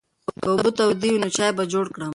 که اوبه تودې وي نو چای به جوړ کړم.